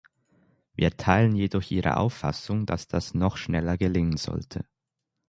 Wir teilen jedoch Ihre Auffassung, dass das noch schneller gelingen sollte.